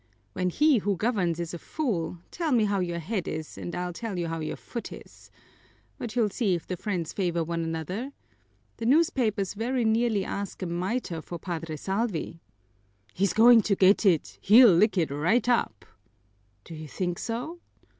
"When he who governs is a fool tell me how your head is and I'll tell you how your foot is! But you'll see if the friends favor one another. The newspapers very nearly ask a miter for Padre Salvi." "He's going to get it! He'll lick it right up!" "Do you think so?"